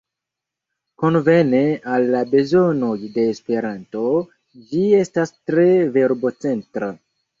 Konvene al la bezonoj de Esperanto, ĝi estas tre verbo-centra.